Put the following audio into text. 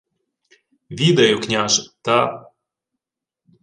— Відаю, княже, та...